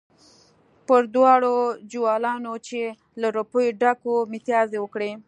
پر دواړو جوالونو چې له روپو ډک وو متیازې وکړې.